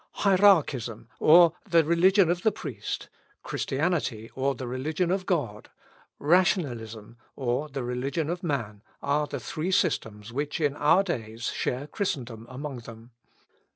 Hierarchism, or the religion of the priest, Christianity, or the religion of God, rationalism, or the religion of man, are the three systems which in our days share Christendom among them.